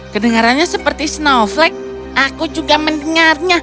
kedengarannya seperti snowflake aku juga mendengarnya